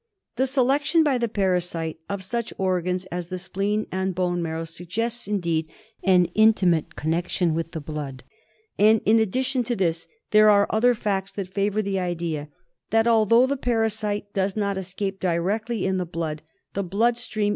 The selection by the parasite of such organs as the spleen and bone marrow suggests, indeed, an intimate con * nection with the blood ; and in addition to this there are other facts that favour the idea that, although, the 144 KALA AZAR. parasite does not escape directly in the blood, the blood stream.